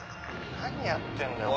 何やってんだよ。